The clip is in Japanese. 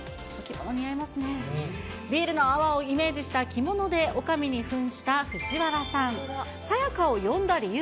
ビールの泡をイメージした着物でおかみにふんした藤原さん。